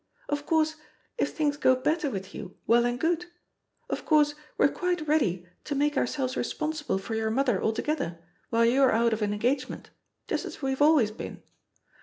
Of course, if things go better with you soon, well and good; of course we're quite ready to make ourselves responsible for your mother altogether while you're out of an engage ment, just as we've always been.